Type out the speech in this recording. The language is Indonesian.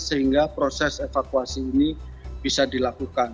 sehingga proses evakuasi ini bisa dilakukan